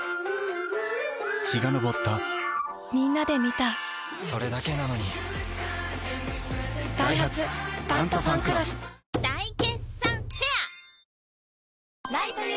陽が昇ったみんなで観たそれだけなのにダイハツ「タントファンクロス」大決算フェア